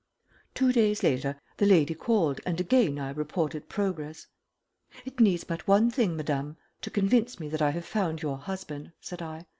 Two days later the lady called and again I reported progress. "It needs but one thing, madame, to convince me that I have found your husband," said I.